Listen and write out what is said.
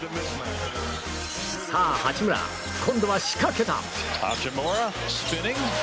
さあ、八村今度は仕掛けた。